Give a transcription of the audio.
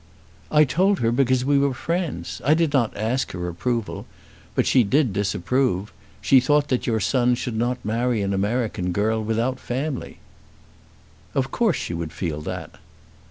"I told her because we were friends. I did not ask her approval; but she did disapprove. She thought that your son should not marry an American girl without family." "Of course she would feel that."